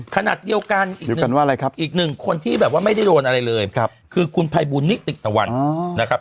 ขณะเดียวกันอีกหนึ่งคนที่แบบว่าไม่ได้โดนอะไรเลยคือคุณภัยบุญนิติตะวันนะครับ